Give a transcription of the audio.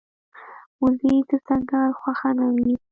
وزې د ځنګل خوښه نه وي